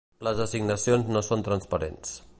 Les assignacions no són transparents.